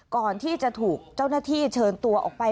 ก่อนที่จะถูกเจ้าหน้าที่เชิญตัวออกไป